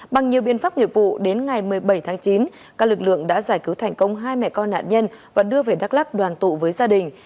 bằng nhiều biện pháp nghiệp vụ đến ngày một mươi bảy tháng chín các lực lượng đã giải cứu thành công hai mẹ con nạn nhân và đưa về đắk lắc đoàn tụ với gia đình